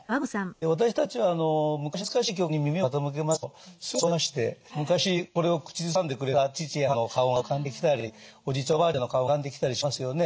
私たちは昔懐かしい曲に耳を傾けますとすぐに郷愁に誘われまして昔これを口ずさんでくれた父や母の顔が浮かんできたりおじいちゃんおばあちゃんの顔が浮かんできたりしますよね。